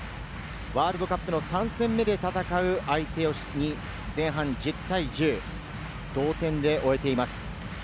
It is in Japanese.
ワールドカップの３戦目で戦う相手に前半１０対１０、同点で終えています。